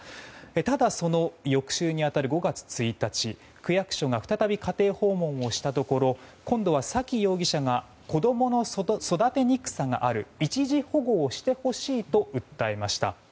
ただ、その翌週に当たる５月１日区役所が再び家庭訪問をしたところ今度は沙喜容疑者が子供の育てにくさがある一時保護してほしいと訴えました。